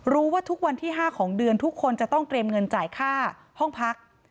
รู้ว่าทุกวันที่๕ของเดือนทุกคนจะต้องเตรียมเงินจ่ายค่าห้องพัก